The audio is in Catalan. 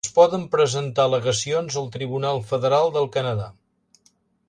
Es poden presentar al·legacions al Tribunal Federal del Canadà.